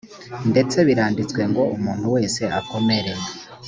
ndetse biranditswe ngo umuntu wese akomere